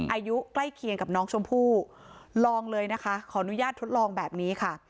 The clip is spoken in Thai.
อายุใกล้เคียงกับน้องชมพู่ลองเลยนะคะขออนุญาตทดลองแบบนี้ค่ะ